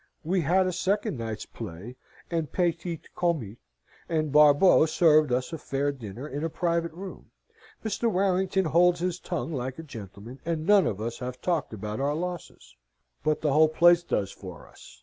We had a second night's play, en petit comite, and Barbeau served us a fair dinner in a private room. Mr. Warrington holds his tongue like a gentleman, and none of us have talked about our losses; but the whole place does, for us.